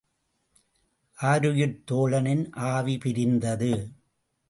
ஆருயிர்த் தோழனின் ஆவி பிரிந்தது!